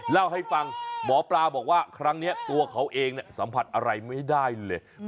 เล่าให้ฟังหมอปลาบอกว่าครั้งนี้ตัวเขาเองสัมผัสอะไรไม่ได้เลย